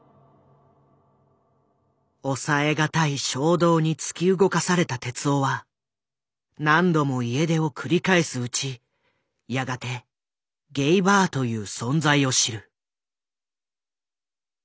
抑えがたい衝動に突き動かされた徹男は何度も家出を繰り返すうちやがてゲイバーという存在を知る。